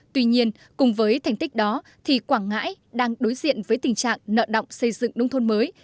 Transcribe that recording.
tuy nhiên cùng với thành tích đó thì quảng ngãi đang đối diện với tình trạng nợ động xây dựng nông thôn mới